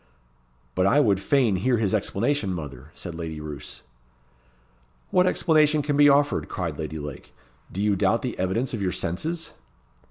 "But I would fain hear his explanation, mother," said Lady Roos. "What explanation can be offered?" cried Lady Lake. "Do you doubt the evidence of your senses?"